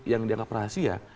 yang dianggap rahasia